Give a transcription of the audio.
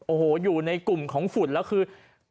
โอ้โหอยู่ในกลุ่มของฝุ่นแล้วคือ